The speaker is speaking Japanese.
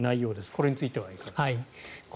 これについてはいかがですか？